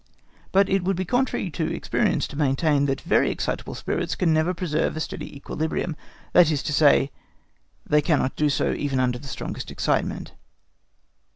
But it would be contrary to experience to maintain that very excitable spirits can never preserve a steady equilibrium—that is to say, that they cannot do so even under the strongest excitement.